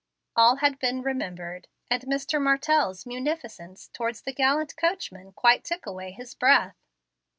All had been remembered, and Mr. Martell's munificence towards the gallant coachman quite took away his breath.